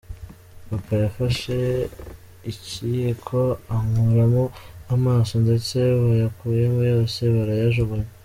Papa yafashe ikiyiko ankuramo amaso ndetse bayakuyemo yose barayajugunya.